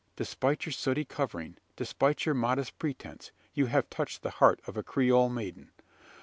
despite your sooty covering despite your modest pretence you have touched the heart of a Creole maiden.